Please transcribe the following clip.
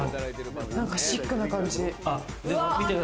なんかシックな感じ。